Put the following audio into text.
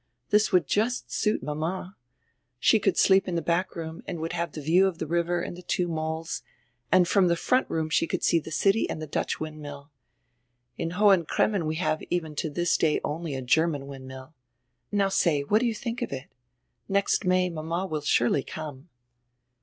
This would just suit mama. She could sleep in die back room and would have die view of the river and the two moles, and from die front room she could see die city and die Dutch windmill. In Hohen Cremmen we have even to diis da)' only a German windmill. Now say, what do you diink of it? Next May mama will surely come."